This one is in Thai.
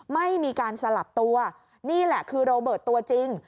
ไม่มีการสลับตัวนี่แหละคือโรเบิร์ตตัวจริง